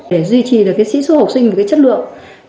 để duy trì sĩ số học sinh chất lượng